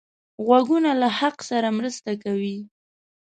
غوږونه له حق سره مرسته کوي